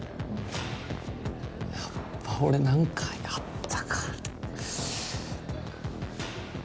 やっぱ俺なんかやったか？